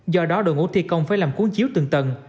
do đó đội ngũ thi công phải làm cuốn chiếu từng tầng